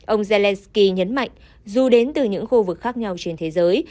ông zelenskyy nhấn mạnh dù đến từ những khu vực khác nhau trên thế giới